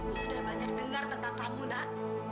aku sudah banyak dengar tentang kamu nak